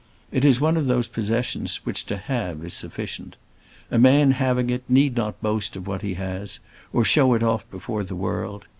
It is one of those possessions which to have is sufficient. A man having it need not boast of what he has, or show it off before the world.